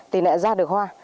tỷ lệ ra được hoa